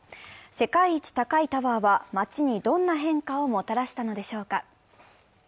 世界一高いタワーは街にどんな変化をもたらしたのでしょうか。